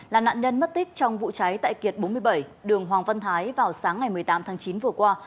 là nạn nhân mất tích trong vụ cháy tại kiệt bốn mươi bảy đường hoàng văn thái vào sáng ngày một mươi tám tháng chín vừa qua